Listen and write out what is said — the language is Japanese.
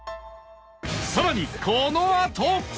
さらにこのあと！